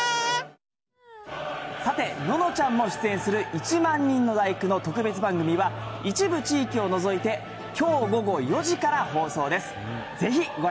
さて、ののちゃんも出演する１万人の第九の特別番組は、一部地域を除いて、きょう午後４時から放送です。